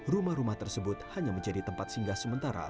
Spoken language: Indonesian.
rumah rumah tersebut hanya menjadi tempat singgah sementara